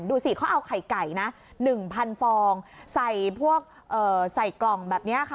ดูสิเขาเอาไข่ไก่นะ๑๐๐ฟองใส่พวกใส่กล่องแบบนี้ค่ะ